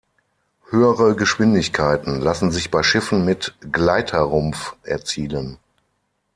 Höhere Geschwindigkeiten lassen sich bei Schiffen mit Gleiter-Rumpf erzielen.